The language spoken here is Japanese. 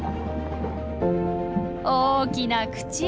大きな口！